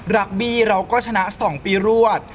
รักบี้เราก็ชนะ๒ปีรวด